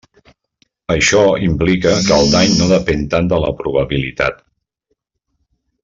Això implica que el dany no depén tant de la probabilitat.